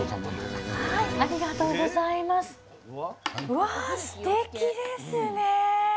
うわすてきですね。